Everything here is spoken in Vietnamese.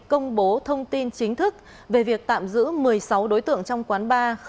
công bố thông tin chính thức về việc tạm giữ một mươi sáu đối tượng trong quán bar ba mươi x tám